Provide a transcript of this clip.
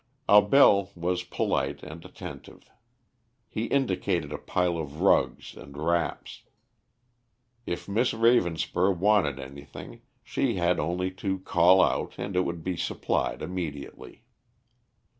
Abell was polite and attentive. He indicated a pile of rugs and wraps; if Miss Ravenspur wanted anything she had only to call out and it would be supplied immediately.